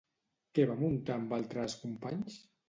Què va muntar amb altres companys?